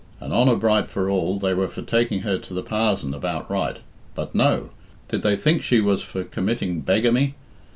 And honour bright for all, they were for taking her to the parzon about right But no! Did they think she was for committing beggamy?